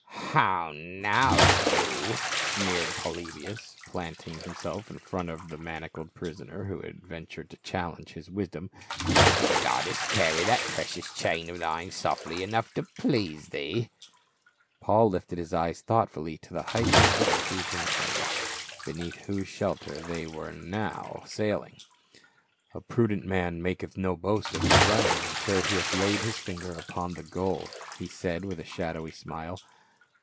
"How now, Jew," sneered Polybius, planting him self in front of the manacled prisoner who had ven tured to challenge his wisdom, "does the goddess carry that precious chain of thine softly enough to please thee?" Paul lifted his eyes thoughtfully to the heights of the Cretan Ida, beneath whose shelter they were now 430 FA UL. sailing. "A prudent man maketh no boast of his running until he hath laid his finger upon the goal," he said with a shadowy smile.